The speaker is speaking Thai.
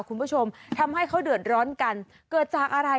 คุณผู้ชมทำให้เขาเดือดร้อนกันเกิดจากอะไร